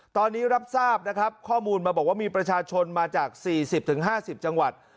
ตอนนี้รับทราบนะครับข้อมูลมาบอกว่ามีประชาชนมาจาก๔๐๕๐จังหวัด